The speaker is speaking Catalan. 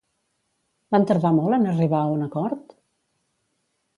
Van tardar molt en arribar a un acord?